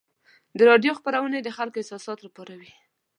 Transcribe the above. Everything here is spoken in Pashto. د راډیو خپرونې د خلکو احساسات راپاروي.